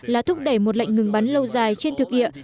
là thúc đẩy một lệnh ngừng bắn lâu dài trên thực địa